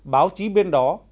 báo chí bên đó